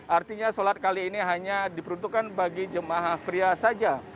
artinya sholat kali ini hanya diperuntukkan bagi jemaah pria saja